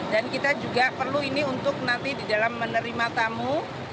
dan kita juga perlu ini untuk nanti di dalam menerima tamu